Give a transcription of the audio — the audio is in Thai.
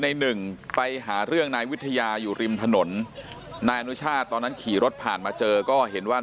ในหนึ่งไปหาเรื่องนายวิทยาอยู่ริมถนนนายอนุชาติตอนนั้นขี่รถผ่านมาเจอก็เห็นว่า